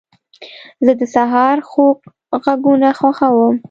زه د سهار خوږ غږونه خوښوم.